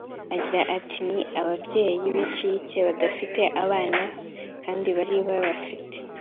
Agira ati “Ni ababyeyi b’incike badafite abana kandi bari babafite